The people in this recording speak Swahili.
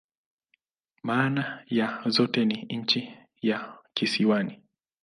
Maana ya zote ni "nchi ya kisiwani.